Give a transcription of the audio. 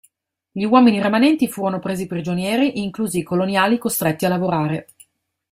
Gli uomini rimanenti furono presi prigionieri, inclusi i coloniali costretti a lavorare.